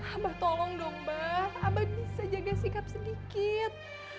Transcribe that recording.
abah tolong dong mbak abah bisa jaga sikap sedikit